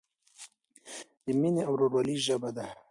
د مینې او ورورولۍ ژبه ده.